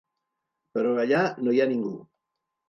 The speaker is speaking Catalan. Però allà no hi ha ningú.